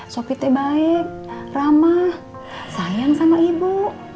sopi tuh baik ramah sayang sama ibu